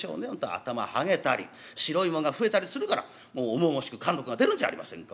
頭はげたり白いもんが増えたりするから重々しく貫禄が出るんじゃありませんか。